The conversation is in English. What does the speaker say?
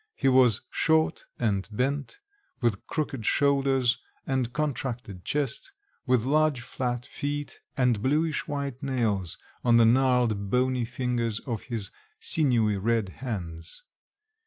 He was short and bent, with crooked shoulders, and contracted chest, with large flat feet, and bluish white nails on the gnarled bony fingers of his sinewy red hands.